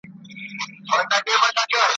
ته به څرنګه سینګار کړې جهاني د غزل توري `